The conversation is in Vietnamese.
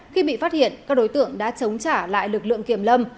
khi bị phát hiện các đối tượng đã chống trả lại lực lượng kiểm lâm